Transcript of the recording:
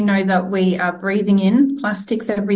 kita tahu bahwa kita bernafas plastik setiap hari